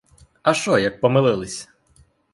А шо, як помилились?